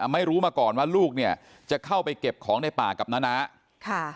ไม่รู้มาก่อนว่าลูกเนี่ยจะเข้าไปเก็บของในป่ากับน้าค่ะ